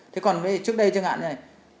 thế còn trước đây chẳng hạn như này